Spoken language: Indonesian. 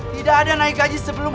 tidak ada naik haji sebelum